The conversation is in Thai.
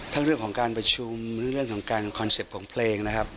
เรื่องของการประชุมทั้งเรื่องของการคอนเซ็ปต์ของเพลงนะครับ